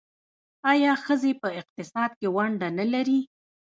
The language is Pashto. آیا ښځې په اقتصاد کې ونډه نلري؟